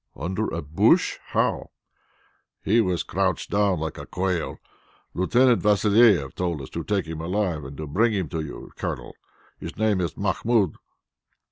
"Under a bush? How?" "He was crouched down like a quail. Lieutenant Vassilieff told us to take him alive and to bring him to you, Colonel. His name is Mahmoud."